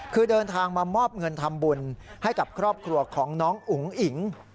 คือเดินทางมามอบเงินทำบุญให้กับครอบครัวของน้องอุ๋งอิ๋ง